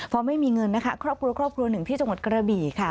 เพราะไม่มีเงินนะคะครอบครัวหนึ่งที่จังหวัดกระบิค่ะ